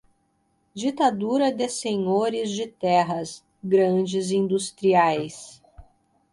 ditadura de senhores de terras, grandes industriais